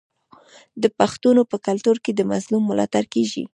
د پښتنو په کلتور کې د مظلوم ملاتړ کیږي.